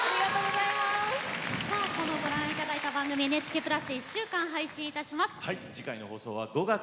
今日ご覧いただいたこの番組はＮＨＫプラスで１週間配信いたします。